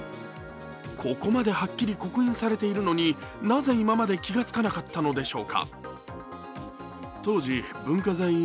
ここまではっきり刻印されているのになぜ今まで気が付かなかったのでしょうか。